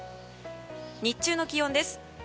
日中の気温です。